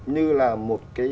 như là một cái